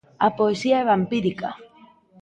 A poesía é vampírica.